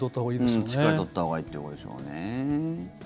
しっかり取ったほうがいいということでしょうね。